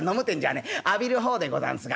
浴びる方でござんすが。